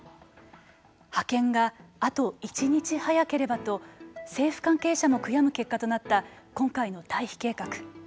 派遣があと１日早ければと政府関係者も悔やむ結果となった今回の退避計画。